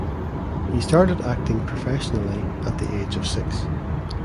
He started acting professionally at the age of six.